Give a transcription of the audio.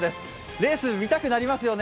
レース、見たくなりますよね。